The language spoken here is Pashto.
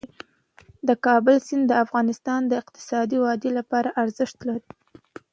د کابل سیند د افغانستان د اقتصادي ودې لپاره ارزښت لري.